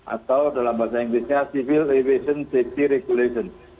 atau dalam bahasa inggrisnya civil revision safety regulation